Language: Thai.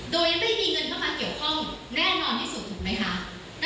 โดยไม่มีเงินเข้ามาเกี่ยวข้องแน่นอนที่สุดถูกไหมคะ